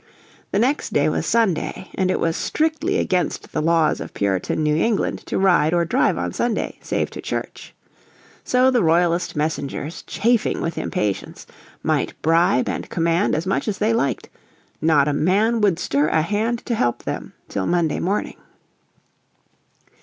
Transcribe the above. The next day was Sunday, and it was strictly against the laws of Puritan New England to ride or drive on Sunday save to church. So the Royalist messengers, chafing with impatience, might bribe and command as much as they liked; not a man would stir a hand to help them till Monday morning.